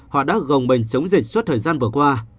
họ đã gồng mình chống dịch suốt thời gian vừa qua